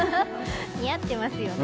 似合ってますよね。